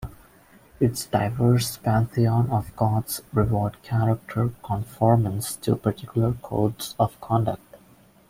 Its diverse pantheon of gods reward character conformance to particular codes of conduct.